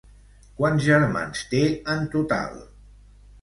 Quants germans té en total?